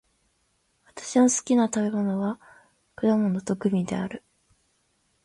私の好きな食べ物は果物とグミである。